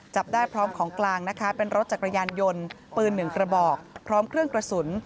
จับได้พร้อมของกลางนะคะเป็นรถจักรยานยนต์ปืนหนึ่งกระบอกพร้อมเครื่องกระสุน